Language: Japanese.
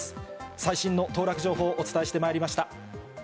最新の当落情報、お伝えしてまいりました。